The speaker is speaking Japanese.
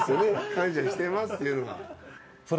感謝してますっていうのは。